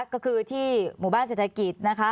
ก็คือที่หมู่บ้านเศรษฐกิจนะคะ